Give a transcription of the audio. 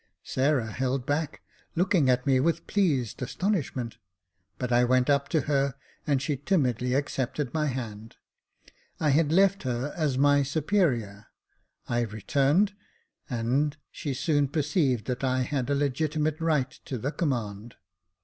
Sarah held back, looking at me with pleased astonishment ; but I went up to her, and she timidly accepted my hand. I had left her as my superior — I returned, and she soon perceived that I had a legitimate right to the command.